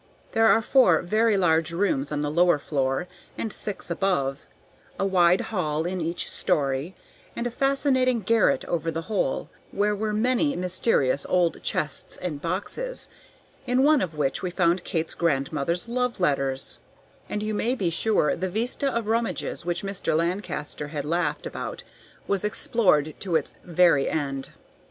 There are four very large rooms on the lower floor, and six above, a wide hall in each story, and a fascinating garret over the whole, where were many mysterious old chests and boxes, in one of which we found Kate's grandmother's love letters; and you may be sure the vista of rummages which Mr. Lancaster had laughed about was explored to its very end.